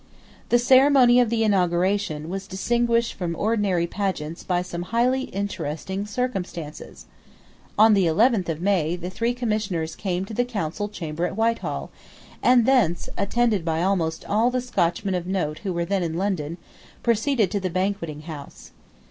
The ceremony of the inauguration was distinguished from ordinary pageants by some highly interesting circumstances. On the eleventh of May the three Commissioners came to the Council Chamber at Whitehall, and thence, attended by almost all the Scotchmen of note who were then in London, proceeded to the Banqueting House.